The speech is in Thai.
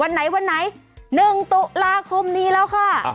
ไหนวันไหน๑ตุลาคมนี้แล้วค่ะ